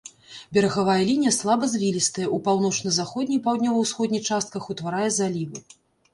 Берагавая лінія слабазвілістая, у паўночна-заходняй і паўднёва-ўсходняй частках утварае залівы.